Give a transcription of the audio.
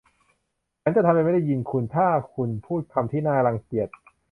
ฉันจะทำเป็นไม่ได้ยินคุณถ้าคุณพูดคำที่น่ารังเกียจ